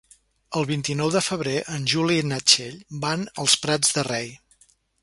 El vint-i-nou de febrer en Juli i na Txell van als Prats de Rei.